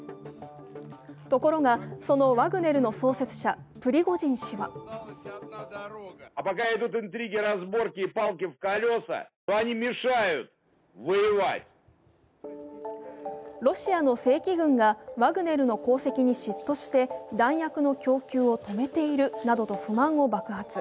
ところが、そのワグネルの創設者、プリゴジン氏はロシアの正規軍が、ワグネルの功績に嫉妬して、弾薬の供給を止めているなどと不満を爆発。